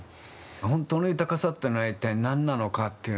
本当の豊かさっていうのは一体何なのかっていうのはね